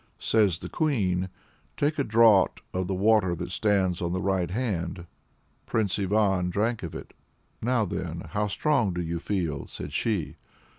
Says the Queen "Take a draught of the water that stands on the right hand." Prince Ivan drank of it. "Now then, how strong do you feel?" said she.